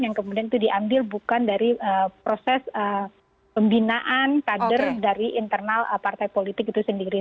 yang kemudian itu diambil bukan dari proses pembinaan kader dari internal partai politik itu sendiri